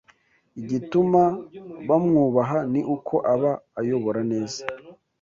Igituma bamwubaha Ni uko aba ayobora neza